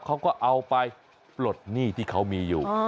เขาก็เอาไปปลดหนี้ที่เขามีอยู่